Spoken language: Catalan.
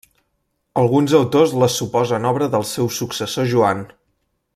Alguns autors les suposen obra del seu successor Joan.